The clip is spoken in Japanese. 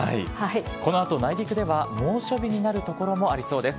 このあと内陸では猛暑日になる所もありそうです。